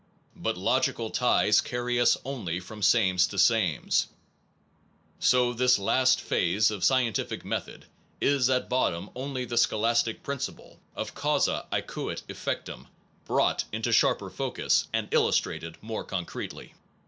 But logical ties carry us only from sames to sanies ; so this last phase of scientific method is at bottom only the scholastic principle of Causa cequat efectum, ibrought into sharper focus and illustrated :more concretely.